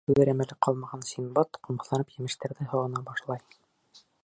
Асығыуҙан түҙер әмәле ҡалмаған Синдбад ҡомһоҙланып емештәрҙе һоғона башлай.